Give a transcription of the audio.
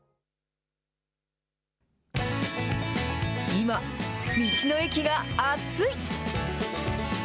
今、道の駅が熱い。